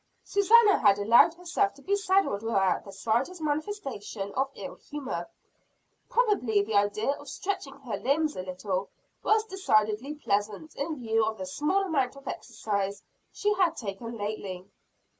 Susannah had allowed herself to be saddled without the slightest manifestation of ill humor; probably the idea of stretching her limbs a little, was decidedly pleasant in view of the small amount of exercise she had taken lately.